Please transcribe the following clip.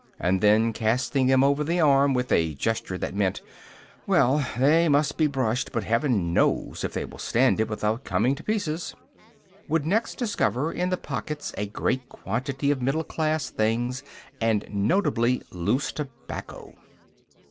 and then, casting them over the arm, with a gesture that meant: "Well, they must be brushed, but Heaven knows if they will stand it without coming to pieces!" would next discover in the pockets a great quantity of middle class things, and notably loose tobacco....